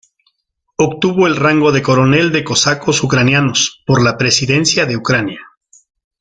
Obtuvo el rango de coronel de cosacos ucranianos, por la Presidencia de Ucrania.